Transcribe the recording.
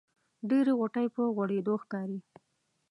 ډېرې غوټۍ په غوړېدو ښکاري.